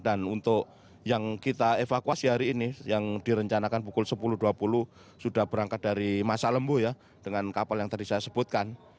dan untuk yang kita evakuasi hari ini yang direncanakan pukul sepuluh dua puluh sudah berangkat dari masa lembu ya dengan kapal yang tadi saya sebutkan